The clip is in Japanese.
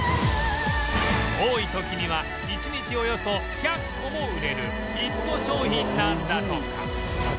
多い時には１日およそ１００個も売れるヒット商品なんだとか